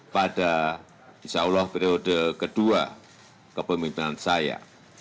pada insyaallah periode kedua kepemimpinan saya